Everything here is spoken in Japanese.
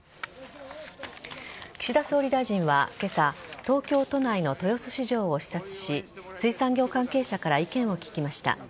岸田総理大臣は今朝東京都内の豊洲市場を視察し水産業関係者から意見を聞きました。